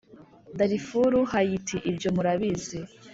darifuru hayiti ibyo murabizi